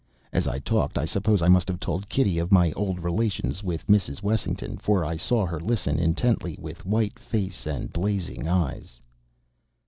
As I talked I suppose I must have told Kitty of my old relations with Mrs. Wessington, for I saw her listen intently with white face and blazing eyes.